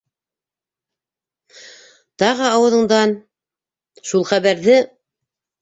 Тағы ауыҙыңдан... шул хәбәрҙе!